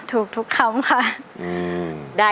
ถูกทุกคำมา